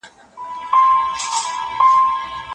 متخصصينو د اقتصادي پرمختيا په اړه خپل نظرونه ورکړل.